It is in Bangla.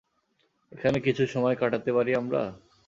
এখানে কিছুটা সময় কাটাতে পারি আমরা?